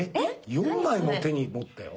４枚も手に持ったよ。